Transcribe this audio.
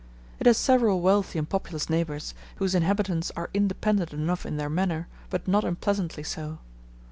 It has several wealthy and populous neighbours, whose inhabitants are independent enough in their manner, but not unpleasantly so.